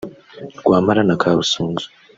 Rwampara na Kabusunzu